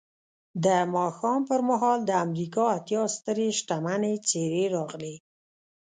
د ماښام پر مهال د امریکا اتیا سترې شتمنې څېرې راغلې